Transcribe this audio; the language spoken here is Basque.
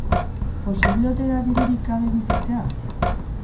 Posible ote da dirurik gabe bizitzea?